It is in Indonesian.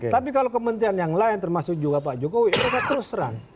tapi kalau kementerian yang lain termasuk juga pak jokowi mereka terus terang